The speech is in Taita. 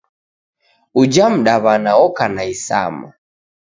Uja mdaw'ana oka na isama.